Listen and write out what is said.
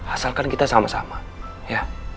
asalkan kita sama sama ya